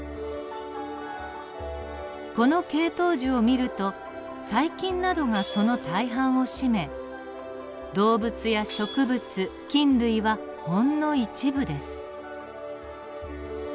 この系統樹を見ると細菌などがその大半を占め動物や植物菌類はほんの一部です。